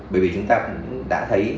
bởi vì chúng ta cũng đã thấy